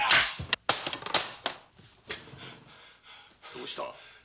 どうした？